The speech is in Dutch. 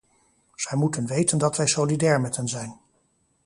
Zij moeten weten dat wij solidair met hen zijn.